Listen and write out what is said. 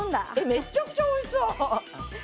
めっちゃくちゃおいしそう。